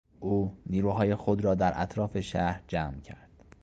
او نیروهای خود را در اطراف شهر جمع کرد.